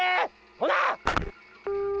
ほな！